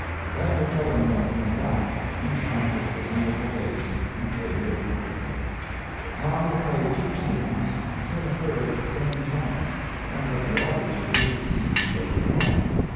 Then the treble man came back, and Tom took the wonderful bass and played it perfectly. Tom will play two tunes and sing a third at the same time, and let the audience choose the keys he shall perform in.